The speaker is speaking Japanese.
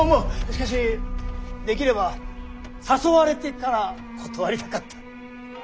しかしできれば誘われてから断りたかった。